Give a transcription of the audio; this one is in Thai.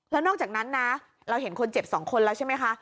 แล้วนอกจากนั้นนะเราเห็นคนเจ็บ๒คนแล้วใช่ไหมคะ